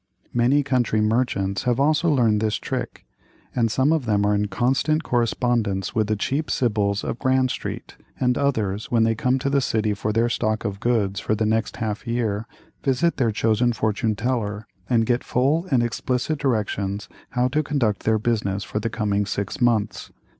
Many country merchants have also learned this trick, and some of them are in constant correspondence with the cheap sybils of Grand Street; and others, when they come to the city for their stock of goods for the next half year, visit their chosen fortune teller and get full and explicit directions how to conduct their business for the coming six months.